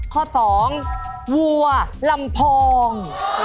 ข้อ๒วัวลำพอง